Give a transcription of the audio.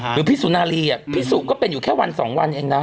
หรือพี่สุนารีอะพี่สุกก็เป็นอยู่แค่วัน๒วันเองนะ